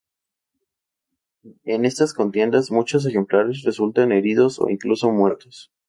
En estas contiendas muchos ejemplares resultan heridos o incluso muertos.